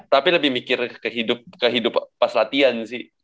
tapi lebih mikir kehidup pas latihan sih